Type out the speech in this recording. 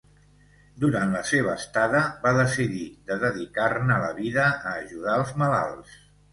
Durant la seva estada, va decidir de dedicar-ne la vida a ajudar els malalts.